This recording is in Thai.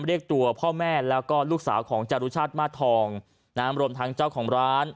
เรียกตัวพ่อแม่แล้วก็ลูกสาวของจารุชาติมาทองรวมทั้งเจ้าของร้าน